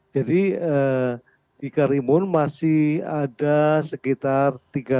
jadi di karimun masih ada sekitar